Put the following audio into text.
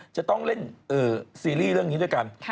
จะต้องเล่นซีรีส์เรื่องนี้ด้วยกัน